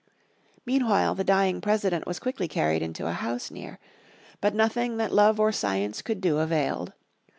Meanwhile the dying President was quickly carried into a house near. But nothing that love or science could do availed.